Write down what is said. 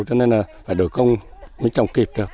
cho nên là phải đổi công mới trồng kịp được